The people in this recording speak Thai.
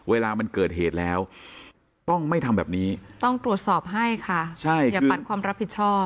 เวลามันเกิดเหตุแล้วต้องไม่ทำแบบนี้ต้องตรวจสอบให้ค่ะอย่าปัดความรับผิดชอบ